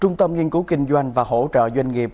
trung tâm nghiên cứu kinh doanh và hỗ trợ doanh nghiệp